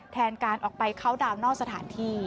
แทนการออกไปเข้าดาวนอกสถานที่